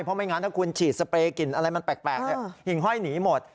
เพราะไม่งั้นถ้าคุณฉีดสเปรย์กลิ่นอะไรมันแปลกหิ่งห้อยหนีหมด